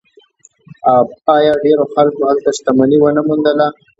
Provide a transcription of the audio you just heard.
آیا ډیرو خلکو هلته شتمني ونه موندله؟